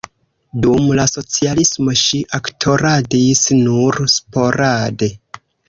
Dum la socialismo ŝi aktoradis nur sporade.